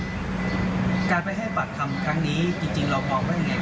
การไปให้ปากคำครั้งนี้จริงเรามองว่ายังไง